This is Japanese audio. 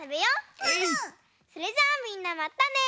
それじゃあみんなまたね！